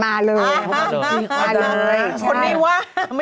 คุณพูดมาได้ไหมหามาเลยว่าอะไร